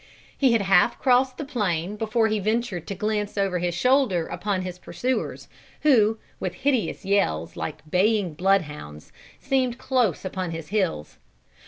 He had half crossed the plain before he ventured to glance over his shoulder upon his pursuers, who, with hideous yells, like baying bloodhounds, seemed close upon his heels.